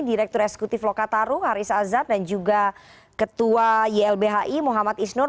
direktur eksekutif lokataru haris azhar dan juga ketua ylbhi muhammad isnur